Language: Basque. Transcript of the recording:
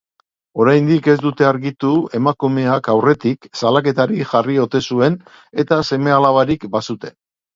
Oraindik ez dute argitu emakumeak aurretik salaketarik jarri ote zuen eta seme-alabarik bazuten.